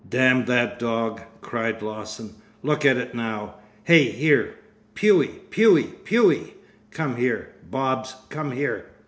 'Damn that dog!' cried Lawson. 'Look at it now. Hi! Here! Phewoo phewoo phewoo! Come here, Bobs! Come _here!